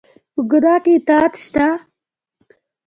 په ګناه کې اطاعت شته؟